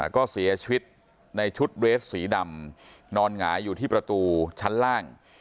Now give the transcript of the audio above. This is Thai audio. ก็เสียชีวิตในชุดเรสสีดำนอนหงายอยู่ที่ประตูชั้นล่าง